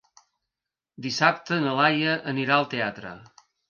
Dissabte na Laia anirà al teatre.